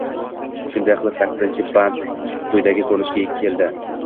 Shunday qilib sakkizinchi band quyidagi ko‘rinishga keldi: